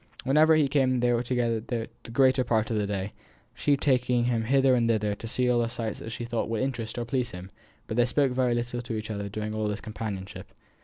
Whenever he came they were together the greater part of the day; she taking him hither and thither to see all the sights that she thought would interest or please him; but they spoke very little to each other during all this companionship.